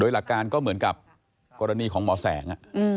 หลักการก็เหมือนกับกรณีของหมอแสง